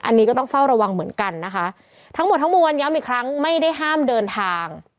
อันนี้ก็ต้องเฝ้าระวังเหมือนกันนะคะทั้งหมดทั้งมวลย้ำอีกครั้งไม่ได้ห้ามเดินทาง